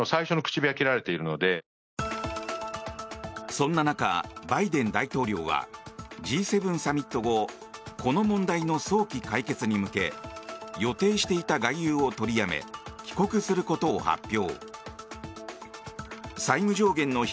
そんな中、バイデン大統領はＧ７サミット後この問題の早期解決に向け予定していた外遊を取りやめ帰国することを発表。